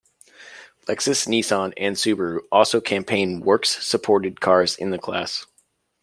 Lexus, Nissan, and Subaru also campaign works-supported cars in the class.